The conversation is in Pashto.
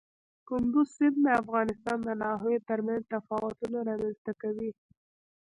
کندز سیند د افغانستان د ناحیو ترمنځ تفاوتونه رامنځ ته کوي.